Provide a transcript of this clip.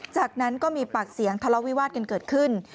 จากนั้นก็มีปากเสียงทะเลาวิวาสกันเกิดขึ้น